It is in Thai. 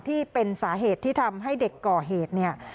ที่เป็นสาเหตุที่ทำให้เด็กก่อเหตุเนี่ย